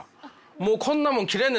もうこんなもん切れんね